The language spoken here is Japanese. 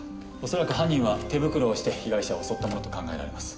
恐らく犯人は手袋をして被害者を襲ったものと考えられます。